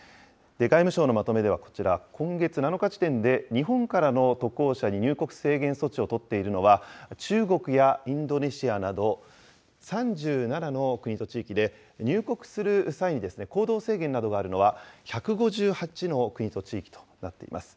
外務省のまとめではこちら、今月７日時点で、日本からの渡航者に入国制限措置を取っているのは、中国やインドネシアなど３７の国と地域で、入国する際に、行動制限などがあるのは１５８の国と地域となっています。